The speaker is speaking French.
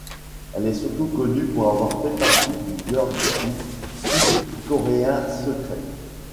Elle est surtout connue pour avoir fait partie du girl group sud-coréen Secret.